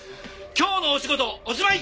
今日のお仕事おしまい！